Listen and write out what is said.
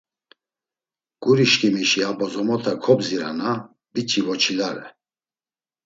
Guri şǩimişi a bozomota kobdzirana biç̌i voçilare.